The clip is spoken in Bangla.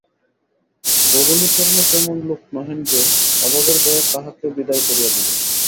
ভবানীচরণও তেমন লোক নহেন যে, অভাবের ভয়ে কাহাকেও বিদায় করিয়া দিবেন।